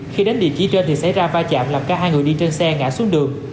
khi đến địa chỉ trên thì xảy ra va chạm làm cả hai người đi trên xe ngã xuống đường